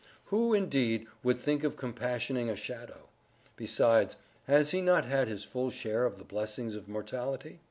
Who indeed would think of compassioning a shadow? Besides, has he not had his full share of the blessings of mortality?